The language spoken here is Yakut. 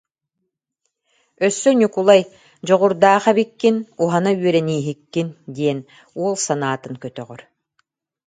Өссө Ньукулай «дьоҕурдаах эбиккин, уһана үөрэнииһиккин» диэн уол санаатын көтөҕөр